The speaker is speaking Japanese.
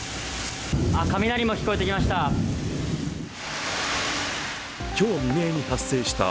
雷も聞こえてきました。